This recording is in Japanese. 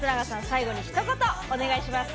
最後にひと言お願いします！